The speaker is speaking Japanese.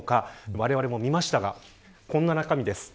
われわれも見ましたがこんな中身です。